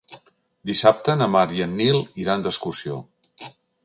Dissabte na Mar i en Nil iran d'excursió.